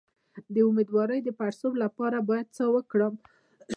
د امیدوارۍ د پړسوب لپاره باید څه وکړم؟